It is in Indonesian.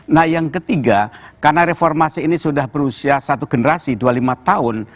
nah yang ketiga karena reformasi ini sudah berusia satu generasi dua puluh lima tahun